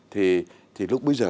thì lúc bây giờ